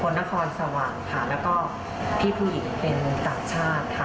นครสวรรค์ค่ะแล้วก็พี่ผู้หญิงเป็นต่างชาติค่ะ